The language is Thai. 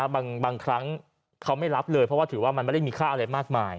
บางครั้งเขาไม่รับเลยเพราะว่าถือว่ามันไม่ได้มีค่าอะไรมากมาย